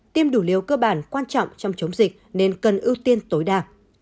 tiêm đủ liều cơ bản quan trọng trong chống dịch nên cần ưu tiên tối đa